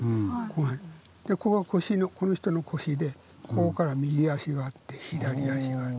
でここがこの人の腰でここから右足があって左足がある。